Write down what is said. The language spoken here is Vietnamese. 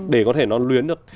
để có thể nó luyến được